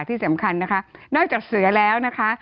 ที่สำคัญนะคะนอกจากเสือแล้วนะคะ